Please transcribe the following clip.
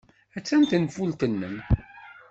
Attan tenfult-nnem.